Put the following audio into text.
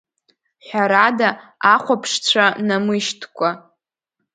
Ҳәарада, ахәаԥшцәа намышьҭкәа.